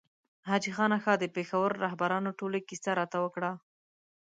حاجي خان اکا د پېښور رهبرانو ټولۍ کیسه راته وکړه.